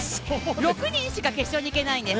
６人しか決勝に行けないんです。